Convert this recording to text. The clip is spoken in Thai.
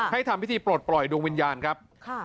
ทำพิธีปลดปล่อยดวงวิญญาณครับ